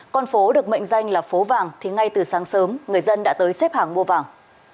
con phố được mệnh danh là phố vàng thì ngay từ sáng sớm người dân đã tới xếp hàng mua vàng